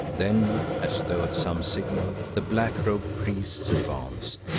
Then, as though at some signal, the black robed priests advanced.